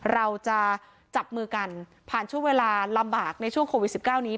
เราจะจับมือกันผ่านช่วงเวลาลำบากในช่วงโควิด๑๙นี้